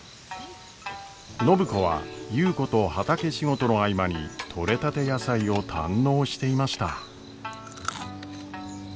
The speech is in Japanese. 暢子は優子と畑仕事の合間に取れたて野菜を堪能していました。